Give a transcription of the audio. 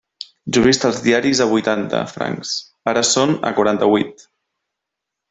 Jo he vist els diaris a huitanta francs, ara són a quaranta-huit.